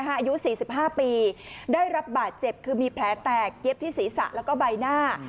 อายุ๔๕ปีได้รับบาดเจ็บคือมีแผลแตกเย็บที่ศีรษะแล้วก็ใบหน้า